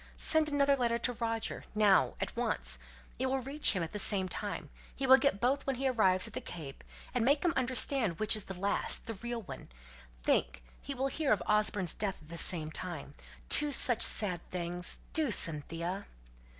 "Send another letter to Roger now at once; it will reach him at the same time; he will get both when he arrives at the Cape, and make him understand which is the last the real one. Think! he will hear of Osborne's death at the same time two such sad things! Do, Cynthia!"